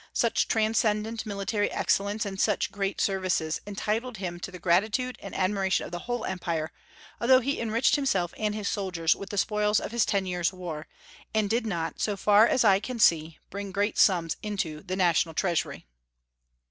Such transcendent military excellence and such great services entitled him to the gratitude and admiration of the whole Empire, although he enriched himself and his soldiers with the spoils of his ten years' war, and did not, so far as I can see, bring great sums into the national treasury.